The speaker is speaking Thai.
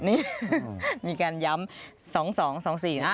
นี่มีการย้ำ๒๒๒๔นะ